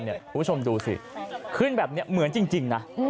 คุณผู้ชมดูสิขึ้นแบบนี้เหมือนจริงนะ